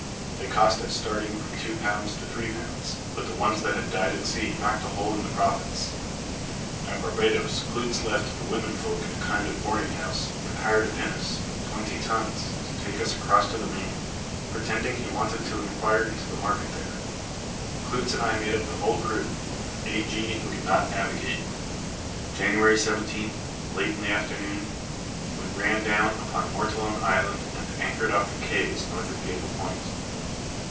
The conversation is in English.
They cost at starting from two pounds to three pounds; but the ones that had died at sea knocked a hole in the profits. At Barbadoes Klootz left the womenfolk in a kind of boarding house, and hired a pinnace, twenty tons, to take us across to the main, pretending he wanted to inquire into the market there. Klootz and I made the whole crew, with A. G., who could not navigate. January 17, late in the afternoon, we ran down upon Mortallone Island and anchored off the Kays, north of Gable Point.